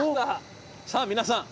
さあ皆さん